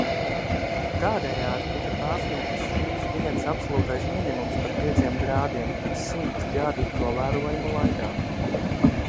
Tādējādi tika pārsniegts šīs dienas absolūtais minimums par pieciem grādiem simt gadu novērojumu laikā.